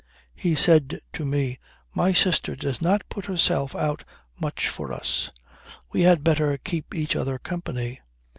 He said to me: 'My sister does not put herself out much for us. We had better keep each other company.